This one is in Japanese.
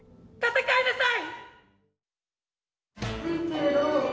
戦いなさい！